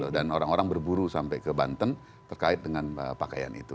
orang orang berburu sampai ke banten terkait dengan pakaian itu